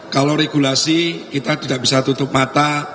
kalau regulasi kita tidak bisa tutup mata